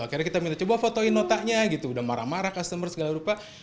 akhirnya kita minta coba fotoin notanya gitu udah marah marah customer segala rupa